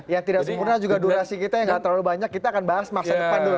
yang tidak sempurna juga durasi kita yang gak terlalu banyak kita akan bahas masa depan dulu